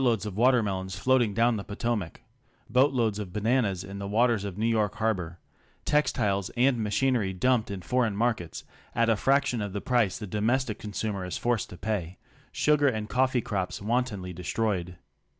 22 of watermelons floating down the Potomac, boat loads of bananas in the waters of New York harbor, textiles and ma chinery "dumped" in foreign markets at a fraction of the price the domestic consumer is forced to pay, sugar and cof fee crops wantonly destroyed.